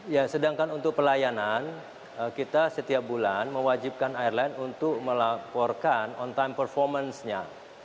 ya sedangkan untuk pelayanan kita setiap bulan mewajibkan airline untuk melaporkan on time performance nya